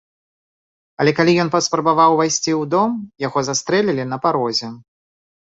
Але калі ён паспрабаваў увайсці ў дом, яго застрэлілі на парозе.